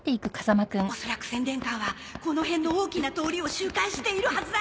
おそらく宣伝カーはこの辺の大きな通りを周回しているはずだ！